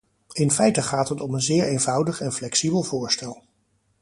In feite gaat het om een zeer eenvoudig en flexibel voorstel.